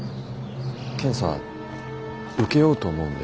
検査受けようと思うんで。